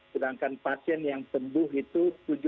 sedangkan pasien yang sembuh itu tujuh